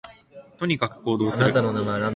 とにかく行動する